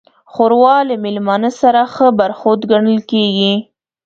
ښوروا له میلمانه سره ښه برخورد ګڼل کېږي.